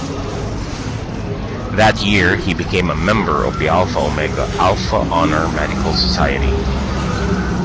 That year he became a member of the Alpha Omega Alpha Honor Medical Society.